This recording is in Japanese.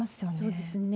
そうですね。